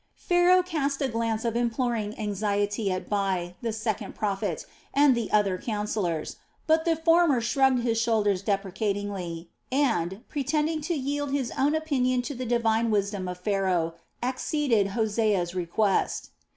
Pharaoh cast a glance of imploring anxiety at Bai, the second prophet, and the other councillors; but the former shrugged his shoulders deprecatingly and, pretending to yield his own opinion to the divine wisdom of Pharaoh, acceded to Hosea's request.